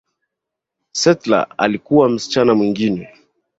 Seattle alikuwa msichana mwingine